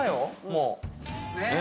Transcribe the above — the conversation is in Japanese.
もう。